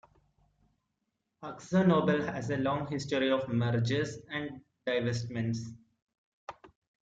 AkzoNobel has a long history of mergers and divestments.